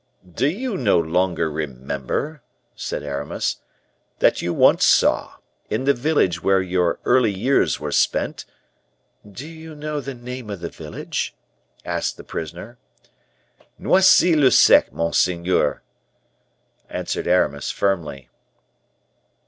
"Do you no longer remember," said Aramis, "that you once saw, in the village where your early years were spent " "Do you know the name of the village?" asked the prisoner. "Noisy le Sec, monseigneur," answered Aramis, firmly.